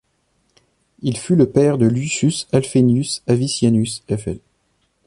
Il fut le père de Lucius Alfenius Avitianus, fl.